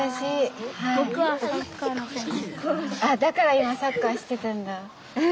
だから今サッカーしてたんだ。